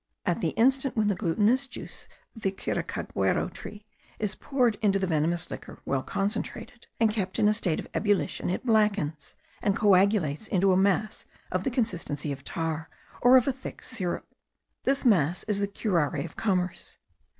At the instant when the glutinous juice of the kiracaguero tree is poured into the venomous liquor well concentrated, and kept in a state of ebullition, it blackens, and coagulates into a mass of the consistence of tar, or of a thick syrup. This mass is the curare of commerce.